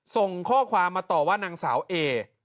ส่งข้อความมาต่อว่านางสาวเอ